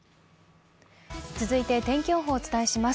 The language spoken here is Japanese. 続いて天気予報をお伝えします。